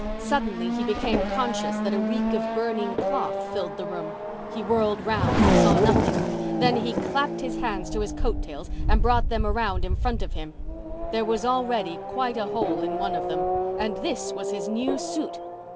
Suddenly he became conscious that a reek of burning cloth filled the room. He whirled round and saw nothing. Then he clapped his hands to his coat tails and brought them around in front of him. There was already quite a hole in one of them—and this was his new suit.